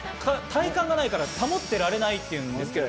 体幹がないから保ってられないっていうので。